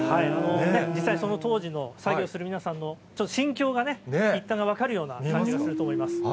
実際にその当時の作業をする皆さんのちょっと心境が、一端が分かるようなにおいがすると思います。